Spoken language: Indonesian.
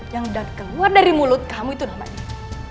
yang udah keluar dari mulut kamu itu nama dewi